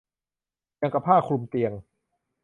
อย่างกับผ้าคลุมเตียง